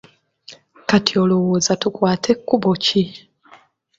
Kati olowooza tukwate kkubo ki?